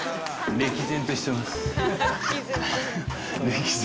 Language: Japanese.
歴然としてます。